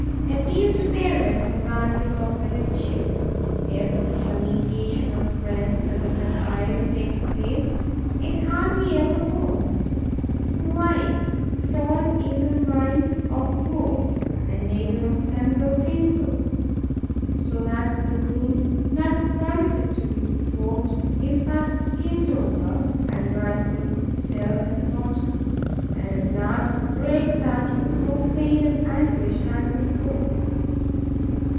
Appeals to parents or guardians often ensue. If, by mediation of friends, a reconciliation takes place, it hardly ever holds: for why? The fault is in the minds of both, and neither of them will think so; so that the wound (not permitted to be probed) is but skinned over, and rankles still at the bottom, and at last breaks out with more pain and anguish than before.